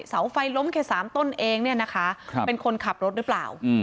สาวไฟล้มแค่สามต้นเองเนี่ยนะคะครับเป็นคนขับรถหรือเปล่าอืม